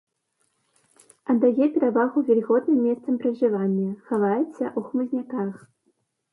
Аддае перавагу вільготным месцам пражывання, хаваецца ў хмызняках.